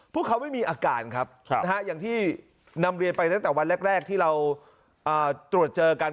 พวกเขาไม่มีอาการครับอย่างที่นำเรียนไปตั้งแต่วันแรกที่เราตรวจเจอกัน